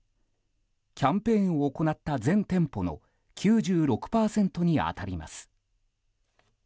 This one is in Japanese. キャンペーンを行った全店舗の９６％に当たります。